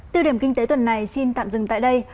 tiêu điểm kinh tế tuần này xin tạm dừng tại đây